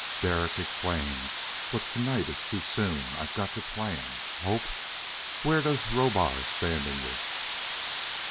Derek exclaimed, "But to night is too soon! I've got to plan. Hope, where does Rohbar stand in this?"